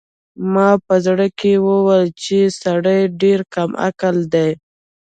ما په زړه کې وویل چې دا سړی ډېر کم عقل دی.